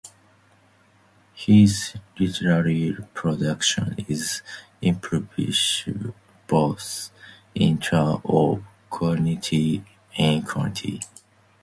His literary production is impressive both in terms of quantity and quality.